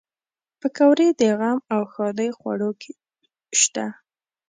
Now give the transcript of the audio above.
پکورې د غم او ښادۍ خوړو کې شته